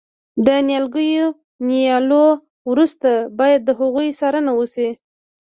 د نیالګیو نیالولو وروسته باید د هغوی څارنه وشي.